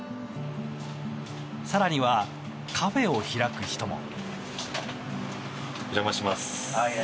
更にはカフェを開く人も。